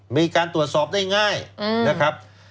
มีการตรวจสอบได้ง่ายนะครับ